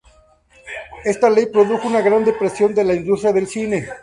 Esta ley produjo una gran depresión de la industria del cine.